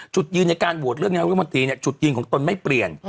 จุดยืนในการโหวดเรื่องงานวิทยาลัยมันตรีจุดยืนของตนไม่เปลี่ยน